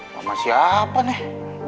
sama siapa nih